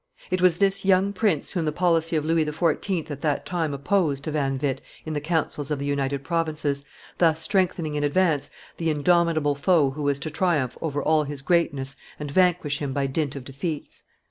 It was this young prince whom the policy of Louis XIV. at that time opposed to Van Witt in the councils of the United Provinces, thus strengthening in advance the indomitable foe who was to triumph over all his greatness and vanquish him by dint of defeats.